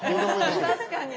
確かに。